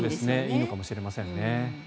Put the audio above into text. いいのかもしれません。